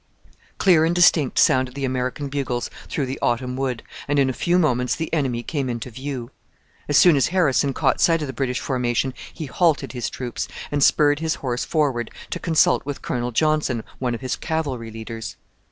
Clear and distinct sounded the American bugles through the autumn wood, and in a few moments the enemy came into view. As soon as Harrison caught sight of the British formation he halted his troops, and spurred his horse forward to consult with Colonel Johnson, one of his cavalry leaders.